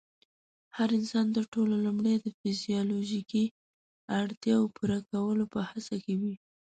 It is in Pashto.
هر انسان تر ټولو لومړی د فزيولوژيکي اړتیا پوره کولو په هڅه کې وي.